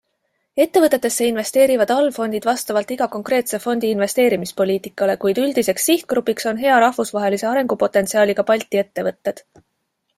Ettevõtetesse investeerivad allfondid vastavalt iga konkreetse fondi investeerimispoliitikale, kuid üldiseks sihtgrupiks on hea rahvusvahelise arengupotentsiaaliga Balti ettevõtted.